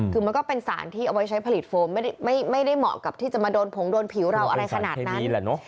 คือมันก็เป็นสารที่เอาไว้ใช้ผลิตโฟมไม่ได้เหมาะกับที่จะมาโดนผงโดนผิวเราอะไรขนาดนั้น